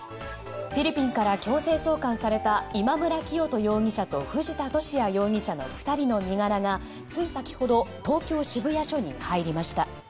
フィリピンから強制送還された今村磨人容疑者と藤田聖也容疑者の２人の身柄がつい先ほど、東京・渋谷署に入りました。